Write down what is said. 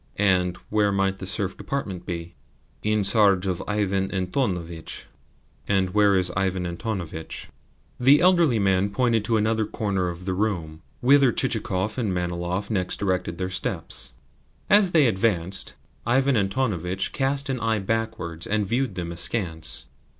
"And where might the Serf Department be?" "In charge of Ivan Antonovitch." "And where is Ivan Antonovitch?" The elderly man pointed to another corner of the room; whither Chichikov and Manilov next directed their steps. As they advanced, Ivan Antonovitch cast an eye backwards and viewed them askance.